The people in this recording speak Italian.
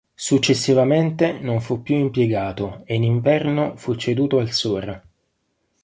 Successivamente, non fu più impiegato e in inverno fu ceduto al Sora.